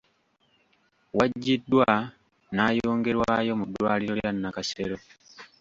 Waggyiddwa n’ayongerwayo mu ddwaliro lya Nakasero .